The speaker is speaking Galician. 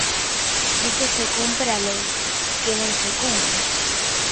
Di que se cumpre a lei, que non se cumpre.